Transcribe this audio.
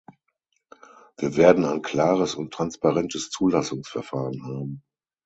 Wir werden ein klares und transparentes Zulassungsverfahren haben.